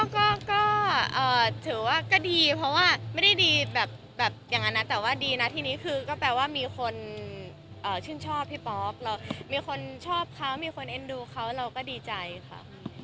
ก็ถือว่าก็ดีเพราะว่าไม่ได้ดีแบบอย่างนั้นนะแต่ว่าดีนะทีนี้คือก็แปลว่ามีคนชื่นชอบพี่ป๊อกเรามีคนชอบเขามีคนเอ็นดูเขาเราก็ดีใจค่ะ